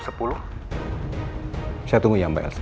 saya tunggu ya mbak el